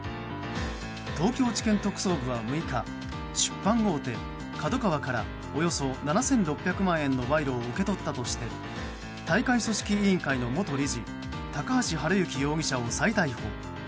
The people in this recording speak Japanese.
東京地検特捜部は６日出版大手ＫＡＤＯＫＡＷＡからおよそ７６００万円の賄賂を受け取ったとして大会組織委員会の元理事高橋治之容疑者を再逮捕。